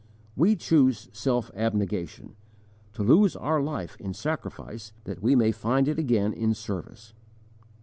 We choose self abnegation, to lose our life in sacrifice that we may find it again in service.